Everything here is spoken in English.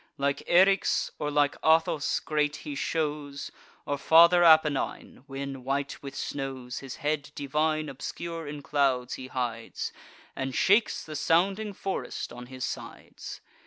Like Eryx, or like Athos, great he shows, Or Father Apennine, when, white with snows, His head divine obscure in clouds he hides, And shakes the sounding forest on his sides.